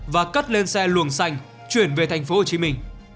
và cất lên xe luồng xanh chuyển về thành phố hồ chí minh